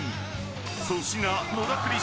［粗品野田クリ